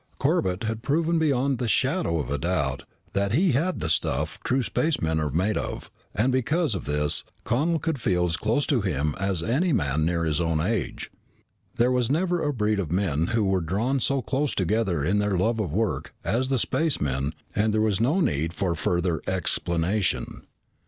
Tom Corbett had proven beyond the shadow of a doubt that he had the stuff true spacemen are made of, and because of this, Connel could feel as close to him as a man near his own age. There was never a breed of men who were drawn so close together in their love of work as the spacemen and there was no need for further explanation.